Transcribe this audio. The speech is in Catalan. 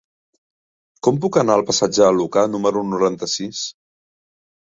Com puc anar al passatge de Lucà número noranta-sis?